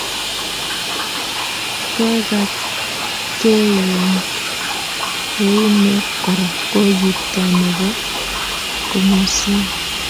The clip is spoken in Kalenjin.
Kekatkeiak eunek Kora ko kipkaa nebo komosin